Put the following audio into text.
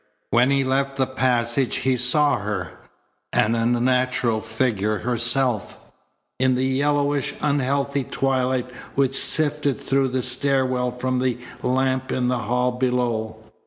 When he left the passage he saw her, an unnatural figure herself, in the yellowish, unhealthy twilight which sifted through the stair well from the lamp in the hall below.